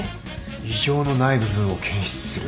異常のない部分を検出する。